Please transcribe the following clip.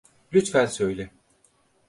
Lütfen söyle.